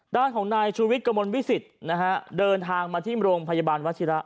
ด้านของนายชูวิทย์กระมวลวิสิตนะฮะเดินทางมาที่โรงพยาบาลวัชิระ